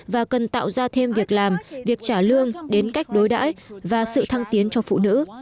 và cần tạo ra thêm việc làm việc trả lương đến cách đối đãi và sự thăng tiến cho phụ nữ